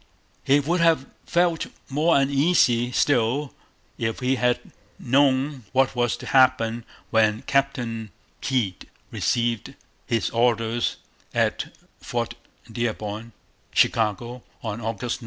He would have felt more uneasy still if he had known what was to happen when Captain Heald received his orders at Fort Dearborn (Chicago) on August 9.